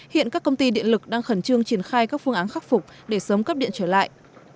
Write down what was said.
hiện các công ty điện lực đang khẩn trương triển khai các phương án khắc phục để sớm cấp điện trở lại